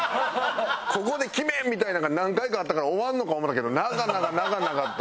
ここで決め！みたいなんが何回かあったから終わんのか思ったけど長々長々と。